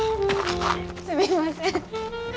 すみません。